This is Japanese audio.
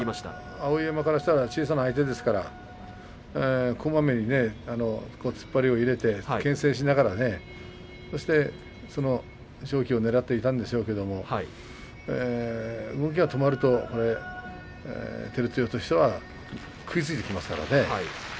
碧山からしたら小さい相手ですからこまめに突っ張りを入れてけん制しながら勝機をねらっていたんでしょうけれど動きが止まると照強としては食いついてきますからね。